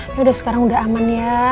yaudah sekarang udah aman ya